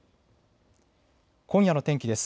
今夜の天気です。